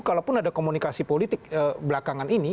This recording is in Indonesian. kalau pun ada komunikasi politik belakangan ini